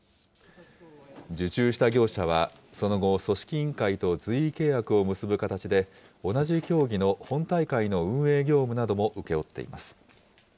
受注した業者はその後、組織委員会と随意契約を結ぶ形で、同じ競技の本大会の運営業務なども請け負っています。